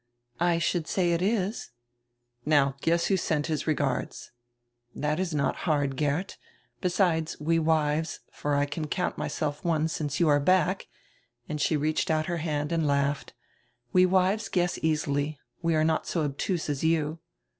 "I should say it is." "Now guess who sent you his regards." "That is not hard, Geert. Besides, we wives, for I can count myself one since you are back" — and she reached out her hand and laughed — "we wives guess easily. We are not so obtuse as you."